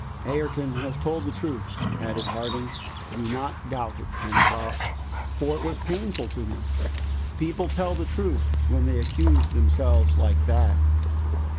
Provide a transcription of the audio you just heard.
"Ayrton has told the truth," added Harding. "Do not doubt it, Pencroft, for it was painful to him. People tell the truth when they accuse themselves like that!"